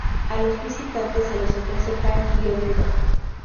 A los visitantes se les ofrece pan y oliva.